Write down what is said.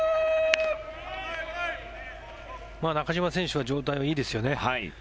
中島選手は状態はいいですよね。